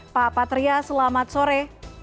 pak patria selamat sore